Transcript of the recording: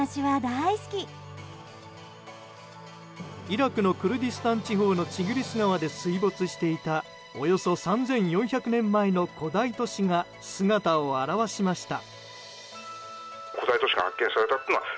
イラクのクルディスタン地方のチグリス川で水没していたおよそ３４００年前の古代都市が姿を現しました。